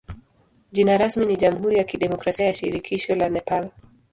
Jina rasmi ni jamhuri ya kidemokrasia ya shirikisho la Nepal.